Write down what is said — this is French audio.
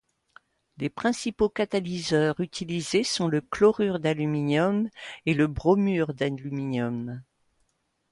Les principaux catalyseurs utilisés sont le chlorure d'aluminium et le bromure d'aluminium.